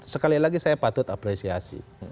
sekali lagi saya patut apresiasi